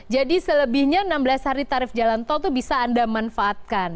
jadi selebihnya enam belas hari tarif jalan tol itu bisa anda manfaatkan